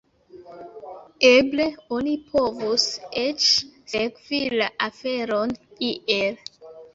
Eble oni povus eĉ sekvi la aferon iel.